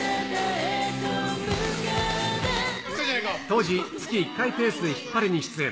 当時、月１回ペースでヒッパレに出演。